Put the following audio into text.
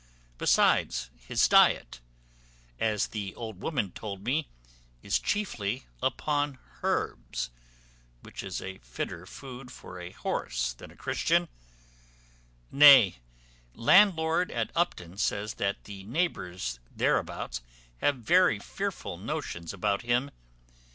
Besides, his diet, as the old woman told me, is chiefly upon herbs, which is a fitter food for a horse than a Christian: nay, landlord at Upton says that the neighbours thereabouts have very fearful notions about him.